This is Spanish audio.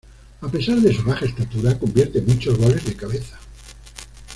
A pesar de su baja estatura, convierte muchos goles de cabeza.